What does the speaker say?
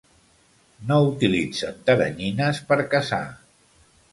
No utilitzen teranyines per caçar.